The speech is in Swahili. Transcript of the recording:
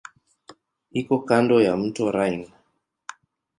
Iko kando ya mto Rhine.